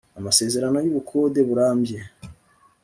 amasezerano y ubukode burambye